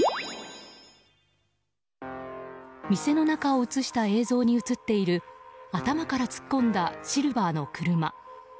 店の中を映した映像に映っている頭から突っ込んだシルバーの車。